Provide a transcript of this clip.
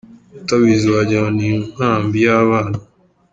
Utabizi wagira ngo ni inkambi y’abana.